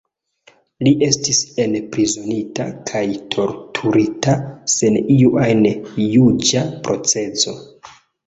Li estis enprizonigita kaj torturita, sen iu ajn juĝa proceso.